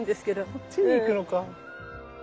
こっちに行くのか。